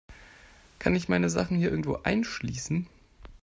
Kann ich meine Sachen hier irgendwo einschließen?